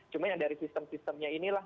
cuma yang dari sistem sistemnya inilah